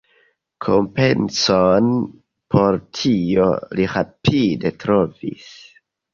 Kompenson por tio li rapide trovis.